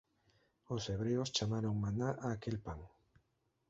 Os hebreos chamaron maná a aquel pan.